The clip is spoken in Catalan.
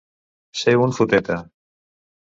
Ser un foteta.